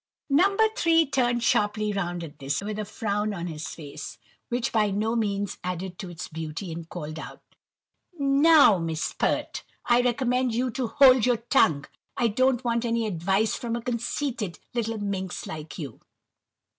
No. 3 turned sharply round at this, with a frown on his face which by no means added to its beauty, and called out:— "Now, Miss Pert, I recommend you to hold your tongue. I don't want any advice from a conceited little minx like you."